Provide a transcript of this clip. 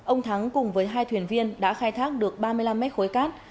ông thắng cùng với hai thuyền viên đã khai thác được ba mươi năm mét khối cát